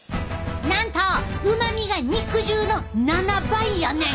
なんとうまみが肉汁の７倍やねん！